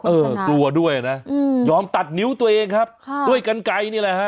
เออกลัวด้วยนะยอมตัดนิ้วตัวเองครับค่ะด้วยกันไกลนี่แหละฮะ